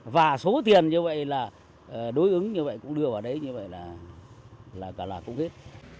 và số tiền như vậy là đối ứng như vậy cũng đưa vào đấy như vậy là cũng hết